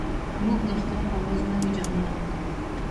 موږ د اختر په ورځ نوې جامې اغوندو